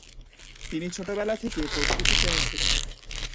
তিনি ছোটবেলা থেকে প্রকৃতি-প্রেমী ছিলেন।